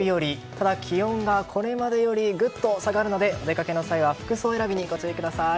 ただ、気温がこれまでよりぐっと下がるのでお出かけの際は、服装選びにご注意ください。